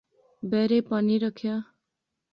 بیرے پانی رکھیا